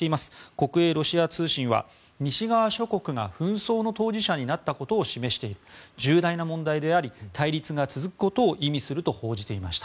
国営ロシア通信は西側諸国が紛争の当事者になったことを示している重大な問題であり対立が続くことを意味すると報じていました。